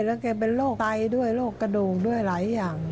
แล้วแกเป็นโรคไตด้วยโรคกระดูกด้วยหลายอย่าง